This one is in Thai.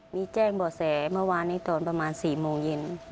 มีแจ้งบ่อแสมาวานตอนประมาณ๔โมงเย็น